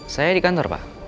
saya di kantor pak